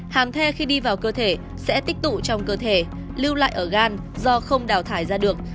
hàm thê khi đi vào cơ thể sẽ tích tụ trong cơ thể lưu lại ở gan do không đào thải ra được